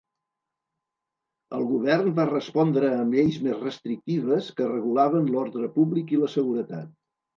El govern va respondre amb lleis més restrictives que regulaven l'ordre públic i la seguretat.